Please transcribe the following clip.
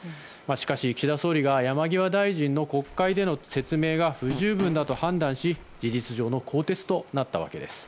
しかし、岸田総理が山際大臣の国会での説明が不十分だと判断し事実上の更迭となったわけです。